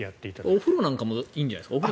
お風呂なんかもいいんじゃないですか。